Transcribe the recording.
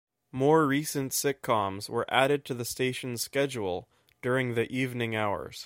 More recent sitcoms were added to the station's schedule during the evening hours.